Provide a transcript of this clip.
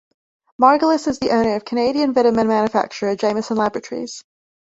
Margolis is the owner of Canadian vitamin manufacturer Jamieson Laboratories.